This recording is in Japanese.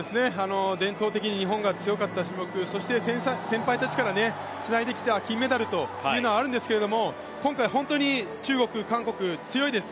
伝統的に日本が強かった種目、そして先輩たちからつないできた金メダルというのはあるんですけれども、今回本当に中国、韓国強いです。